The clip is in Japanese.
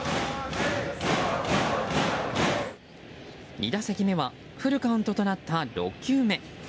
２打席目はフルカウントとなった６球目。